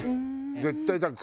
絶対だから。